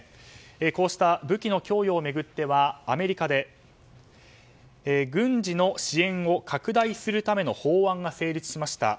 こうした武器の供与を巡ってはアメリカで軍事の支援を拡大するための法案が成立しました。